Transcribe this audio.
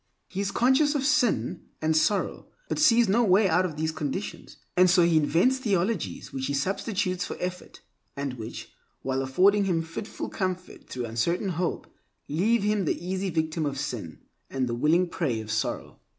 He is conscious of sin and sorrow, but sees no way out of these conditions. And so he invents theologies which he substitutes for effort, and which, while affording him fitful comfort through uncertain hope, leave him the easy victim of sin, and the willing prey of sorrow.